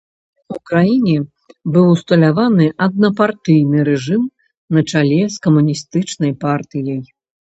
У краіне быў усталяваны аднапартыйны рэжым на чале з камуністычнай партыяй.